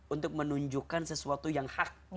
untuk menunjukkan sesuatu yang hak